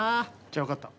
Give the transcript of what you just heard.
じゃあ分かった。